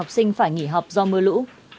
phải nghỉ học do mưa lũ